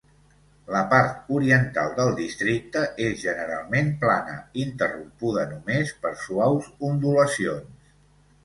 La part oriental del districte es generalment plana, interrompuda només per suaus ondulacions.